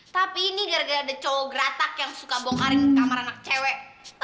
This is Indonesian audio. tapi ini gara gara ada cowok geratak yang suka bongkarin kamar anak cewek